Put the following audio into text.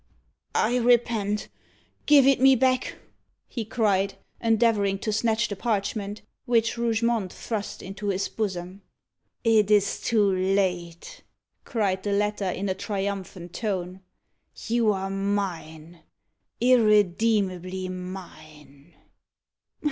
"I repent give it me back!" he cried, endeavouring to snatch the parchment, which Rougemont thrust into his bosom. "It is too late!" cried the latter, in a triumphant tone. "You are mine irredeemably mine."